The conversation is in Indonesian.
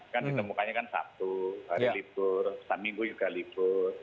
kan ditemukannya kan sabtu hari libur seminggu juga libur